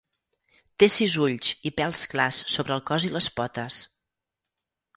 Té sis ulls i pèls clars sobre el cos i les potes.